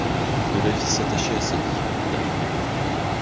De la vie s'attachait à sa vie, la doublait.